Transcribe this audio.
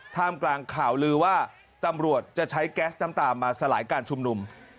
ท่ามกลางข่าวลือว่าตำรวจจะใช้แก๊สน้ำตามาสลายการชุมนุม